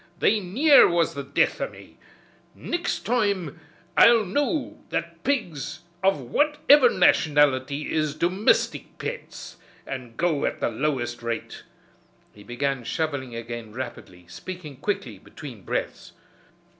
They near was the death o' me. Nixt toime I'll know that pigs of whaiver nationality is domistic pets an' go at the lowest rate." He began shoveling again rapidly, speaking quickly between breaths.